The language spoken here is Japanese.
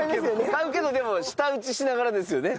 買うけどでも舌打ちしながらですよね？